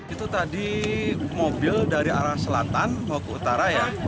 itu tadi mobil dari arah selatan mau ke utara ya